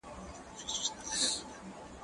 زه هره ورځ کتابونه ليکم،،